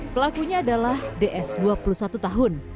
pelakunya adalah ds dua puluh satu tahun